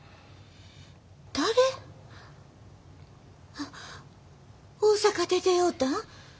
あっ大阪で出会うたん？